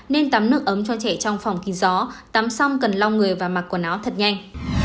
nên tắm nước ấm cho trẻ trong phòng khi gió tắm xong cần lau người và mặc quần áo thật nhanh